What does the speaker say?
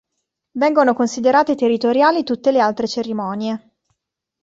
Vengono considerate territoriali tutte le altre cerimonie.